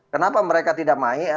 kenapa mereka tidak main